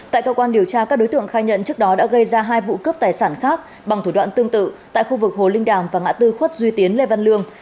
tại cơ quan điều tra các đối tượng khai nhận trước đó đã gây ra hai vụ cướp tài sản khác bằng thủ đoạn tương tự tại khu vực hồ linh đàm và ngã tư khuất duy tiến lê văn lương